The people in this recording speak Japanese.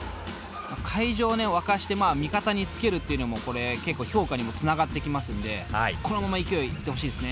会場を沸かせて味方につけるっていうのもこれ結構評価にもつながってきますのでこのまま勢いで行ってほしいですね。